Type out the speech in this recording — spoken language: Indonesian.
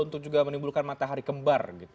untuk juga menimbulkan matahari kembar